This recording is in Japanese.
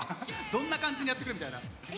どんな感じにやっていくみたいな。